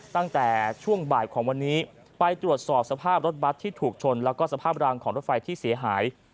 ตั้งแต่ช่วงบ่ายของวันนี้ไปตรวจสอบสภาพรถบัตรที่ถูกชนแล้วก็สภาพรางของรถไฟที่เสียหาย